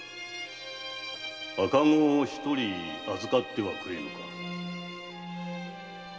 赤子を預かってくれぬか？